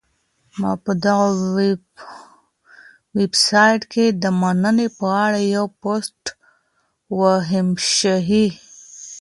ما په دغه ویبسایټ کي د مننې په اړه یو پوسټ وکهمېشهی.